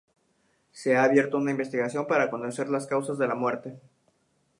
Se ha abierto una investigación para conocer las causas de la muerte.